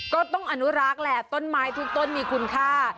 ก็ต้องอนุรักษ์แหละต้นไม้ทุกต้นมีคุณค่า